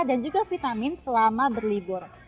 dan juga vitamin selama berlibur